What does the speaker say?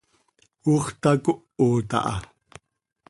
¡Ox tacohot aha!